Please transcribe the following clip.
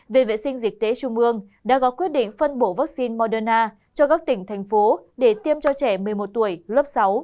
viện vệ sinh dịch tễ trung ương đã có quyết định phân bổ vaccine moderna cho các tỉnh thành phố để tiêm cho trẻ một mươi một tuổi lớp sáu